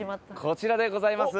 こちらでございます。